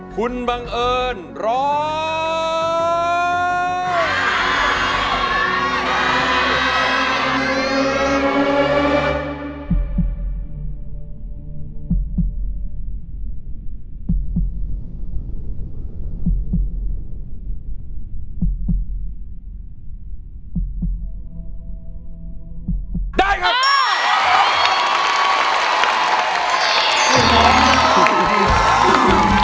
สูงใจสูงใจสูงใจสูงใจสูงใจสูงใจสูงใจ